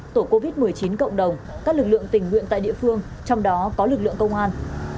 tổ covid một mươi chín cộng đồng các lực lượng tình nguyện tại địa phương trong đó có lực lượng công an